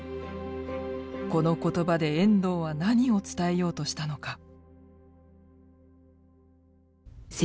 この言葉で遠藤は何を伝えようとしたのか。